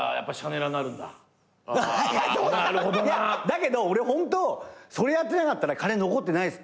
だけど俺ホントそれやってなかったら金残ってないっす。